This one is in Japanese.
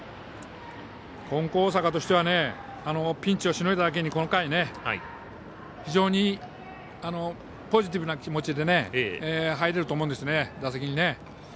金光大阪としてはピンチをしのいだだけにこの回、非常にポジティブな気持ちで入れると思うんですね、打席にね。